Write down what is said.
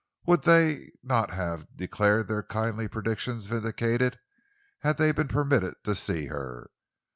Would they not have declared their kindly predictions vindicated had they been permitted to see her?